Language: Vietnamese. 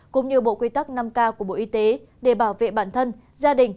cũng như bộ quy tắc năm k của bộ y tế để bảo vệ bản thân gia đình